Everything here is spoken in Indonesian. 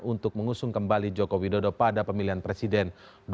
untuk mengusung kembali joko widodo pada pemilihan presiden dua ribu sembilan belas